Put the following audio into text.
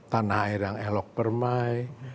tanah air yang elok permai